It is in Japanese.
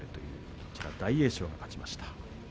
その大栄翔が勝ちました。